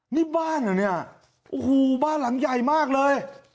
นี่บ้านเหรอเนี่ยโอ้โหบ้านหลังใหญ่มากเลย